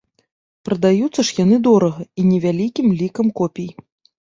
Прадаюцца ж яны дорага і невялікім лікам копій.